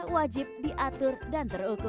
wajib diatur dan terukur